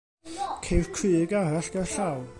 Ceir crug arall gerllaw.